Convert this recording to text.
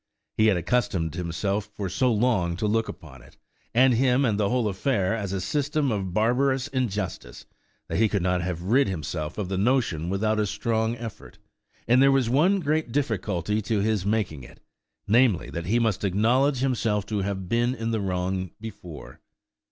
He had accustomed himself for so long to look upon it and him and the whole affair as a system of barbarous injustice, that he could not have rid himself of the notion without a strong effort, and there was one great difficulty to his making it–namely, that he must acknowledge himself to have been in the wrong before.